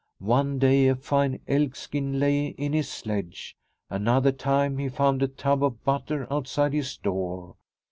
One day a fine elk skin lay in his sledge, another time he found a tub of butter outside his door.